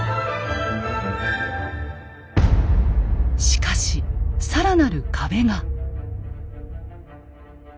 しかし更なる壁が。